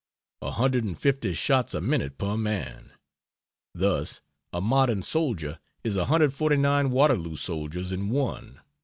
A hundred and fifty shots a minute per man. Thus a modern soldier is 149 Waterloo soldiers in one.